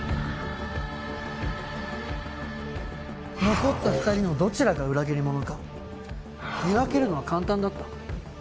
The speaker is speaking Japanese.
残った２人のどちらが裏切り者か見分けるのは簡単だった。